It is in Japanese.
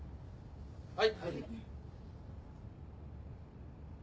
はい。